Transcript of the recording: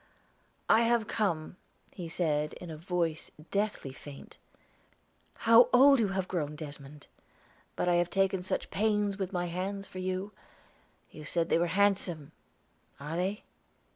"I have come," he said, in a voice deathly faint. "How old you have grown, Desmond!" "But I have taken such pains with my hands for you! You said they were handsome; are they?"